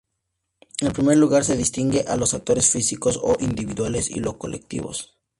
En primer lugar se distingue a los actores físicos o individuales y los colectivos.